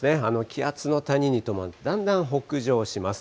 気圧の谷にと、だんだん北上します。